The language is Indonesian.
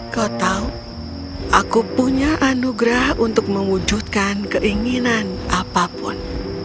kau tahu aku punya anugerah untuk mewujudkan keinginan apapun